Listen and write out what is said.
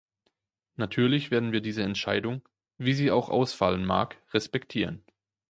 Natürlich werden wir diese Entscheidung, wie sie auch ausfallen mag, respektieren.